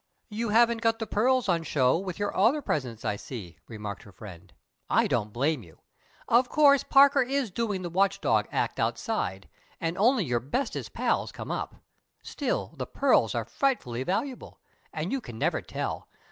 "You haven't got the pearls on show with your other presents, I see," remarked her friend. "I don't blame you! Of course, Parker is doing the watch dog act outside; and only your bestest pals come up. Still, the pearls are frightfully valuable. And you can never tell!